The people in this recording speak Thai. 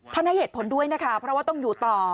ให้เหตุผลด้วยนะคะเพราะว่าต้องอยู่ต่อ